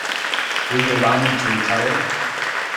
Will you allow me to retire?